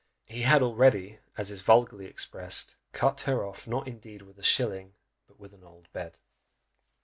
He had already, as it is vulgarly expressed, "cut her off, not indeed with a shilling, but with an old bed!"